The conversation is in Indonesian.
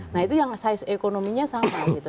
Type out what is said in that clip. nah itu yang size ekonominya sama gitu